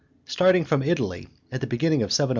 Starting from Italy at the beginning of 702 A.